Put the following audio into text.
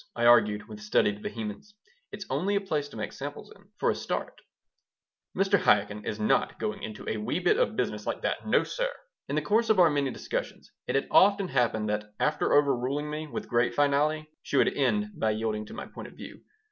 I argued, with studied vehemence. "It's only a place to make samples in for a start." "Mr. Chaikin is not going into a wee bit of a business like that. No, sir." In the course of our many discussions it had often happened that after overruling me with great finality she would end by yielding to my point of view.